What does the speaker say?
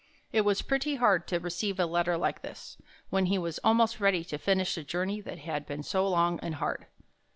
It was pretty hard to receive a letter like this, when he was almost ready to finish the journey that had been so long and hard.